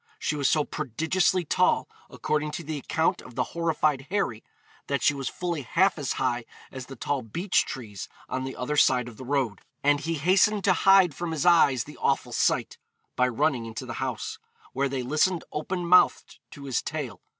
She was so prodigiously tall, according to the account of the horrified Harry, that she was fully half as high as the tall beech trees on the other side of the road; and he hastened to hide from his eyes the awful sight, by running into the house, where they listened open mouthed to his tale.